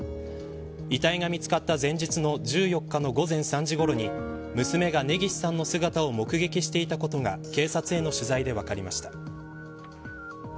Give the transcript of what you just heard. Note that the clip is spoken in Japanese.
遺体が見つかった前日の１４日の午前３時ごろに娘が、根岸さんの姿を目撃していたことが警察への取材で分かりました。